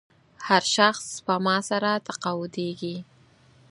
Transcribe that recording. هر شخص سپما سره تقاعدېږي.